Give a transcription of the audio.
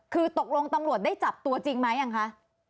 คือตกลงตำรวจได้จับตัวจริงไหมยังคะ